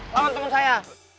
lawan temen saya